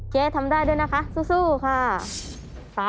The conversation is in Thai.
ทำได้ด้วยนะคะสู้ค่ะ